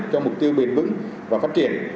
cho mục tiêu bền vững và phát triển